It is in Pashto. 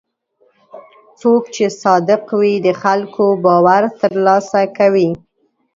څوک چې صادق وي، د خلکو باور ترلاسه کوي.